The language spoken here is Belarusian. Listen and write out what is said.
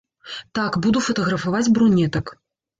Так, буду фатаграфаваць брунетак.